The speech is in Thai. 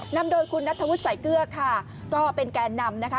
นำโดยคุณนัทธวุฒิสายเกลือค่ะก็เป็นแกนนำนะคะ